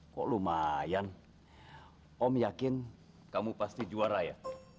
kok lumayan om yakin kamu pasti juara ya